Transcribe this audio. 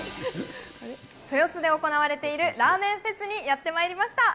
豊洲で行われているラーメンフェスにやってまいりました。